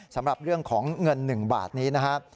สำหรับเรื่องของเงิน๑บาทนี้นะครับ